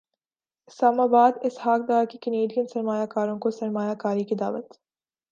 اسلام اباد اسحاق ڈار کی کینیڈین سرمایہ کاروں کو سرمایہ کاری کی دعوت